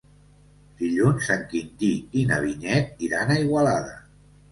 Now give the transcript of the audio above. Dilluns en Quintí i na Vinyet iran a Igualada.